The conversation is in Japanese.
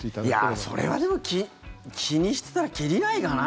いや、それはでも気にしてたら切りないかな。